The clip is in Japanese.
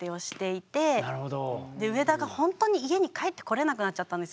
で上田がほんとに家に帰ってこれなくなっちゃったんですよ